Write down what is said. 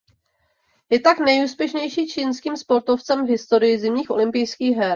Je tak nejúspěšnější čínským sportovcem v historii zimních olympijských her.